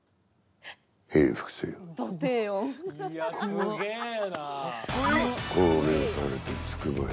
すげえなあ！